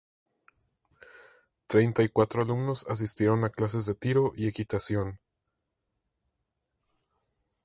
Treinta y cuatro alumnos asistieron a clases de tiro y equitación.